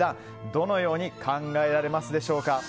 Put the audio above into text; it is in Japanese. どのように考えられますでしょうか。